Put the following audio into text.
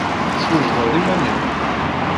Teswejdeḍ iman-im?